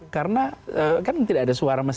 karena kan tidak ada suara mesin